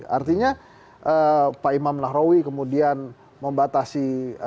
artinya pak imam nahrawi kemudian membatasi